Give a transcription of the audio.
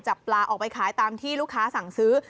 จับปลาออกไปขายตามที่ลูกค้าสั่งซื้อ